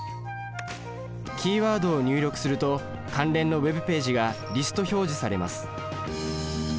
キーワードを入力すると関連のＷｅｂページがリスト表示されます。